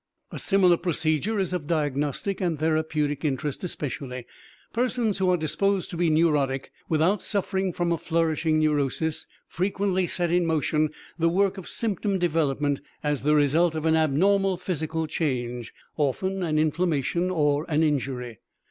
A similar procedure is of diagnostic and therapeutic interest especially. Persons who are disposed to be neurotic, without suffering from a flourishing neurosis, frequently set in motion the work of symptom development as the result of an abnormal physical change often an inflammation or an injury.